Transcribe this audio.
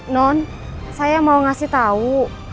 non saya mau ngasih tahu